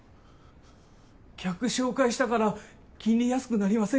客紹介したから金利安くなりませんか？